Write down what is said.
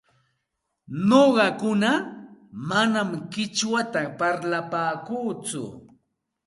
Nuqaku manam qichwata parlapaakuuchu,